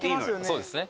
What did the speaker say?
そうですね。